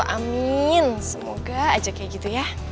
amin semoga aja kayak gitu ya